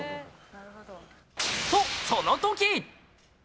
と、その時！